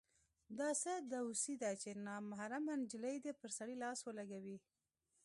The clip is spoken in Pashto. دا څه دوسي ده چې نامحرمه نجلۍ دې پر سړي لاس ولګوي.